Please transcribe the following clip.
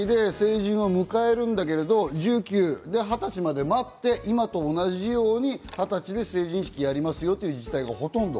１８歳で成人を迎えるんだけど、１９・二十歳まで待って、今と同じように二十歳で成人式やりますよって自治体がほとんど。